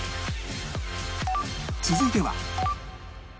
続いては